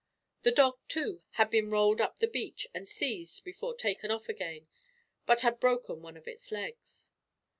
The dog, too, had been rolled up the beach, and seized before taken off again, but had broken one of its legs.